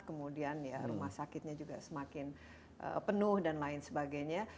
kemudian rumah sakitnya juga semakin penuh dan lain sebagainya